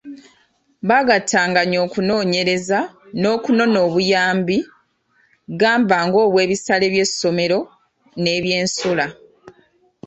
Baagattaganya okunoonyereza n’okunona obuyambi gamba ng’obwebisale by’essomero n’ebyensula.